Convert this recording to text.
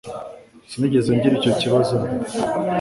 Sinigeze ngira icyo kibazo mbere.